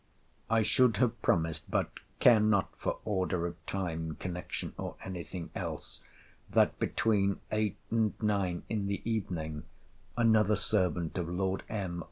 I should have promised (but care not for order of time, connection, or any thing else) that, between eight and nine in the evening, another servant of Lord M.